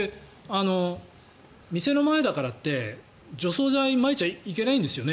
店の前だからって除草剤まいちゃいけないんですよね？